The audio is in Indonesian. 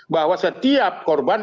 bahwa setiap korban